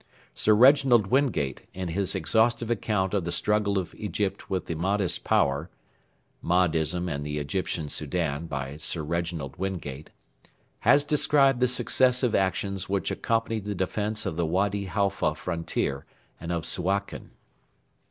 Sir Reginald Wingate, in his exhaustive account of the struggle of Egypt with the Mahdist power, [MAHDISM AND THE EGYPTIAN SOUDAN, Sir Reginald Wingate] has described the successive actions which accompanied the defence of the Wady Halfa frontier and of Suakin.